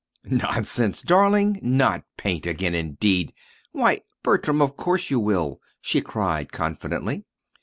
"Nonsense, darling not paint again, indeed! Why, Bertram, of course you will," she cried confidently.